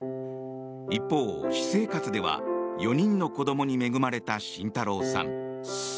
一方、私生活では４人の子どもに恵まれた慎太郎さん。